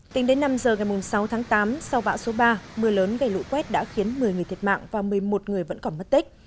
tính đến năm giờ ngày sáu tháng tám sau bão số ba mưa lớn gây lũ quét đã khiến một mươi người thiệt mạng và một mươi một người vẫn còn mất tích